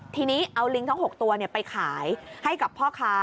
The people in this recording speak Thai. ทีนี้เอาลิงทั้ง๖ตัวไปขายให้กับพ่อค้า